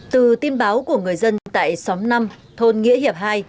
từ tin báo của người dân tại xóm năm thôn nghĩa hiệp hai